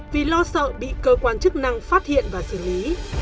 vì lo sợ bị cơ quan chức năng phát hiện và xử lý